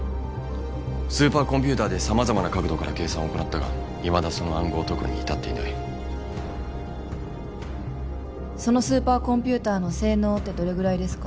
スーパーコンピューターで様々な角度から計算を行ったがいまだその暗号を解くに至っていないそのスーパーコンピューターの性能ってどれぐらいですか？